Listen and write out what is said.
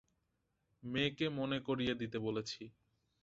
মেয়েকে মনে করিয়ে দিতে বলেছি।